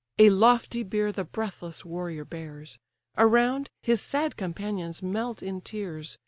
A lofty bier the breathless warrior bears: Around, his sad companions melt in tears.